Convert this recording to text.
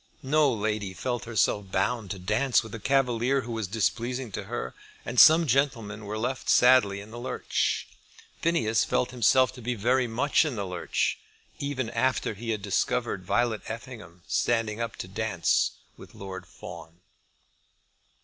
No lady felt herself bound to dance with a cavalier who was displeasing to her; and some gentlemen were left sadly in the lurch. Phineas felt himself to be very much in the lurch, even after he had discovered Violet Effingham standing up to dance with Lord Fawn.